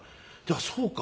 そうか。